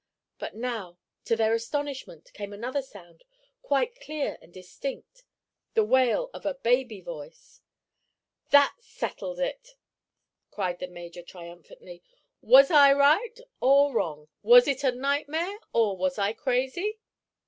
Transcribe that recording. But now, to their astonishment, came another sound, quite clear and distinct—the wail of a baby voice. "That settles it!" cried the major, triumphantly. "Was I right, or wrong? Was it a nightmare, or was I crazy?"